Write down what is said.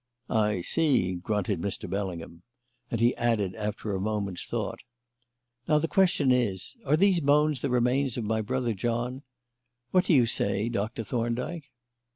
"I see," grunted Mr. Bellingham; and he added, after a moment's thought: "Now, the question is, Are these bones the remains of my brother John? What do you say, Doctor Thorndyke?"